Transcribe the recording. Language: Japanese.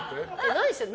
何してんの？